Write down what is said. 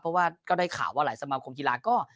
เพราะว่าก็ได้ข่าวว่าหลายสมาคมกีฬาก็